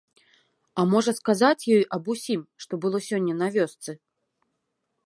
А можа, сказаць ёй аб усім, што было сёння на вёсцы?